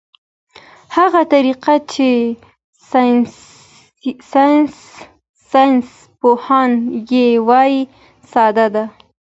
هغه طریقه چې ساینسپوهان یې وايي ساده ده.